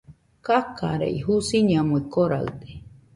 Kakarei, Jusiñamui koraɨde